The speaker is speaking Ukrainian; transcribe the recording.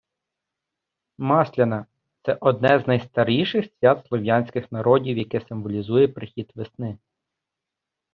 Масляна – це одне з найстаріших свят слов'янських народів, яке символізує прихід весни.